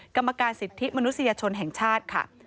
กรรมการสิทธิมนุษยชนแห่งชาติค่ะ